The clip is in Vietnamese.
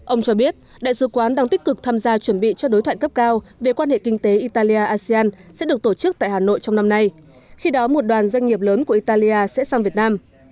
ông cho biết đại sứ quán đang tích cực tham gia chuẩn bị cho đối thoại cấp cao về quan hệ kinh tế italia asean sẽ được tổ chức tại hà nội trong năm nay khi đó một đoàn doanh nghiệp lớn của italia sẽ sang việt nam